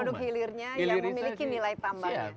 produk produk hilirnya yang memiliki nilai tambangnya